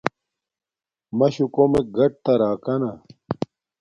ماشُو کومک گاٹتا راکانا